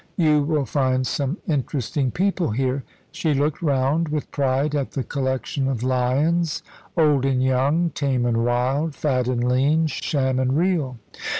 You will find some interesting people here" she looked round with pride at the collection of lions, old and young, tame and wild, fat and lean, sham and real.